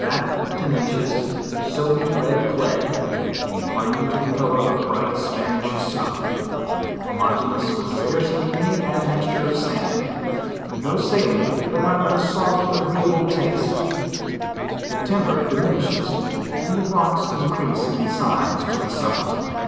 fat, tenacious, soapy, red clay, in LEWIS AND CLARKE. 203 dining to the color of bright Spanish snuff, homeogenous with scarcely any admixture of sand, no saline, but rather a soft agreeable taste: the timber diminishes, and the rocks in crease in size to the summit.